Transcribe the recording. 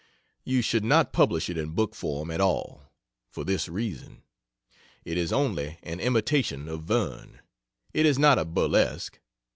You should not publish it in book form at all for this reason: it is only an imitation of Verne it is not a burlesque.